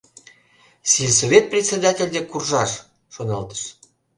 «Сельсовет председатель дек куржаш, — шоналтыш.